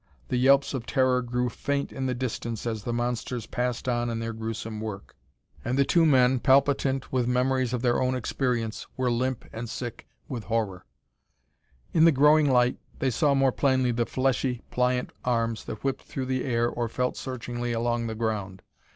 The yelps of terror grew faint in the distance as the monsters passed on in their gruesome work. And the two men, palpitant with memories of their own experience, were limp and sick with horror. In the growing light they saw more plainly the fleshy, pliant arms that whipped through the air or felt searchingly along the ground.